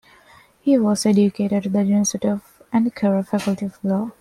He was educated at the University of Ankara Faculty of Law.